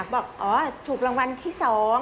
บอกอ๋อถูกรางวัลที่๒